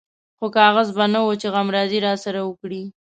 خو کاغذ به نه و چې غمرازي راسره وکړي.